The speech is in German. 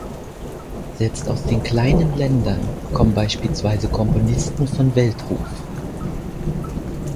Selbst aus den kleinen Ländern kommen beispielsweise Komponisten von Weltruf.